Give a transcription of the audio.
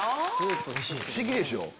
不思議でしょ？